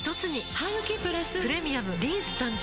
ハグキプラス「プレミアムリンス」誕生